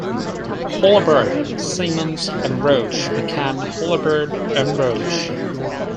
Holabird, Simonds and Roche became Holabird and Roche.